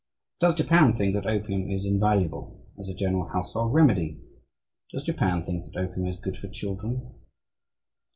Does Japan think that opium is invaluable as a general household remedy? Does Japan think that opium is good for children?